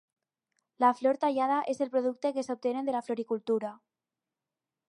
La flor tallada és el producte que s'obtenen de la floricultura.